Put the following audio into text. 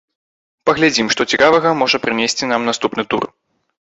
Паглядзім, што цікавага можа прынесці нам наступны тур.